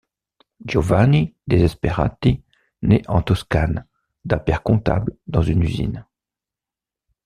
Giovanni Desperati naît en Toscane d'un père comptable dans une usine.